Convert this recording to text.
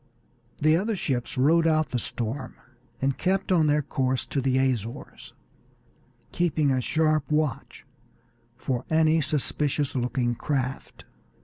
The other ships rode out the storm, and kept on their course to the Azores, keeping a sharp watch for any suspicious looking craft.